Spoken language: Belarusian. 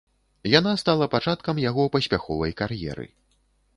Яна стала пачаткам яго паспяховай кар'еры.